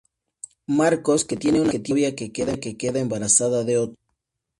Marcos, que tiene una novia que queda embarazada de otro.